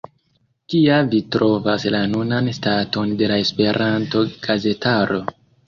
Kia vi trovas la nunan staton de la Esperanto-gazetaro?